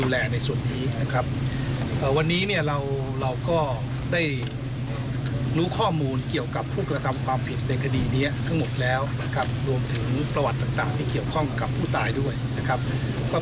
และกันรวมถึงประวัติต่างที่เกี่ยวข้องคุณตายด้วยนะครับ